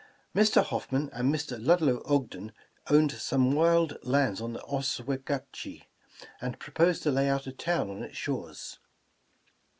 Mr. Hoffman and Mr. Ludlow Ogden owned some wild lands on the Os wegatchie, and proposed to lay out a town on its shores.